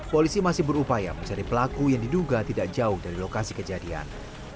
polisi masih berupaya mencari pelaku yang diduga tidak jauh dari lokasi kejadian